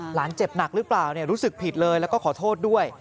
เจ็บหนักหรือเปล่ารู้สึกผิดเลยแล้วก็ขอโทษด้วย